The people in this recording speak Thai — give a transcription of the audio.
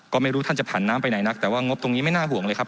ก็ไม่รู้ท่านจะผ่านน้ำไปไหนนักแต่ว่างบตรงนี้ไม่น่าห่วงเลยครับ